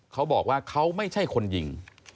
เขาบอกว่าเขาไม่ใช่คนยิง